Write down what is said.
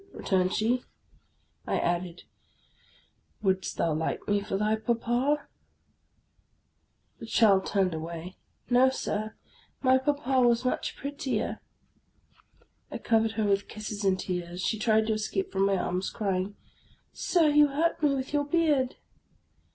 returned she. I added, " Wouldst thou like me for thy papa ?" The child turned away. " No, Sir ; my papa was much prettier." I covered her with kisses and tears. She tried to escape from my arms, crying, —" Sir, you hurt me with your beard."